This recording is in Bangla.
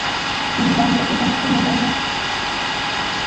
তিনি বাংলাতে সম্পূর্ণ বাইবেলের অনুবাদ সম্পন্ন করেন।